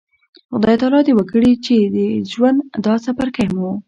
خدای تعالی د وکړي چې د ژوند دا څپرکی مو